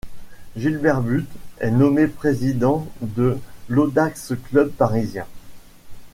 Gilbert Bulte est nommé président de l'Audax Club parisien.